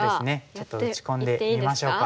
ちょっと打ち込んでみましょうか。